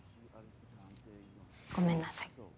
ごめんなさい。